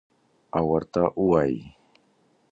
او ورته ووایي: